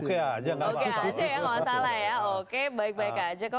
oke aja ya nggak salah ya oke baik baik aja kok